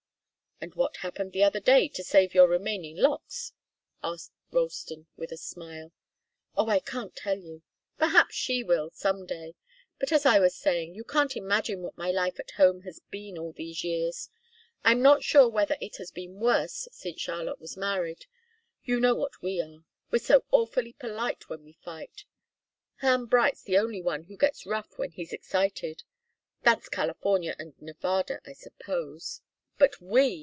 "And what happened the other day, to save your remaining locks?" enquired Ralston, with a smile. "Oh, I can't tell you. Perhaps she will, some day. But as I was saying, you can't imagine what my life at home has been all these years. I'm not sure whether it hasn't been worse since Charlotte was married. You know what we are we're so awfully polite when we fight. Ham Bright's the only one who gets rough when he's excited. That's California and Nevada, I suppose. But we!